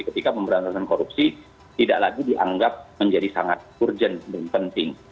ketika pemberantasan korupsi tidak lagi dianggap menjadi sangat urgent dan penting